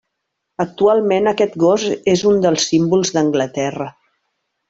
Actualment, aquest gos és un dels símbols d'Anglaterra.